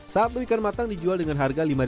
satu ikan matang dijual dengan harga lima ribu rupiah